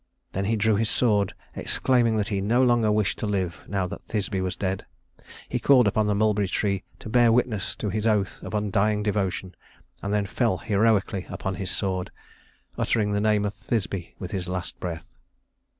Then he drew his sword, exclaiming that he no longer wished to live now that Thisbe was dead. He called upon the mulberry tree to bear witness to his oath of undying devotion, and then fell heroically upon his sword, uttering the name of Thisbe with his last breath.